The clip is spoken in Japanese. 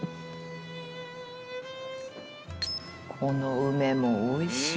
この梅もおいしい！